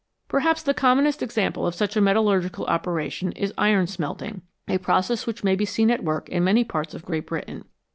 Perhaps the commonest example of such a metallurgical operation is iron smelting, a process which may be seen at work in many parts of Great Britain.